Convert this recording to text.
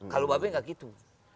kalau mbak be gak gitu